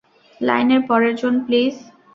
লাইনের পরের জন, প্লিজ।